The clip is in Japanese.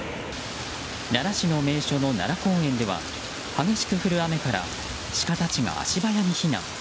奈良市の名所の奈良公園では激しく降る雨からシカたちが足早に避難。